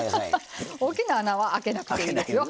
大きな穴はあけなくていいですよ。